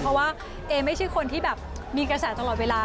เพราะว่าเอไม่ใช่คนที่แบบมีกระแสตลอดเวลา